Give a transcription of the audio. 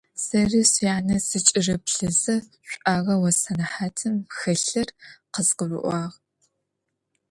Сэри сянэ сыкӀырыплъызэ, шӀуагъэу а сэнэхьатым хэлъыр къызгурыӀуагъ.